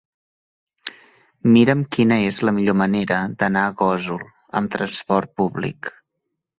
Mira'm quina és la millor manera d'anar a Gósol amb trasport públic.